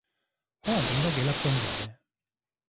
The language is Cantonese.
可能頂多幾粒鐘嘅